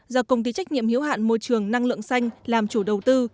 do công ty trách nhiệm hiếu hạn môi trường năng lượng xanh làm chủ đầu tư